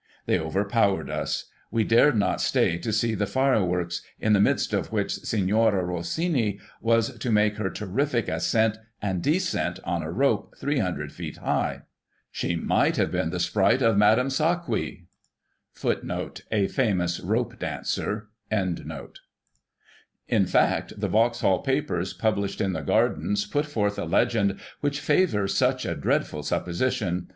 They overpowered us — ^we dared not stay to see the fire works, ' in the midst of which Signora Rossini was to make her terrific ascent and descent on a rope three hundred feet high/ She might have been the sprite of Madame Saqui;* in fact, the ' Vauxhall Papers,' published in the gardens, put forth a legend which favours such a dreadful supposition.